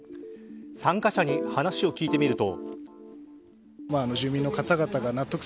参加者に話を聞いてみると。